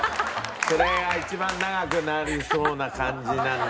それが一番長くなりそうな感じなんで。